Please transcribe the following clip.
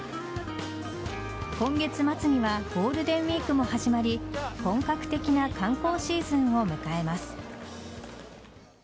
今月末にはゴールデンウイークも始まり本格的な観光シーズンを迎えます。